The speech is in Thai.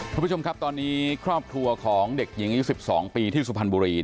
คุณผู้ชมครับตอนนี้ครอบครัวของเด็กหญิงอายุ๑๒ปีที่สุพรรณบุรี